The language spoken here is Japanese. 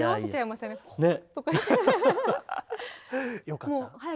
よかった？